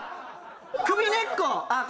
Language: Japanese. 首根っこ。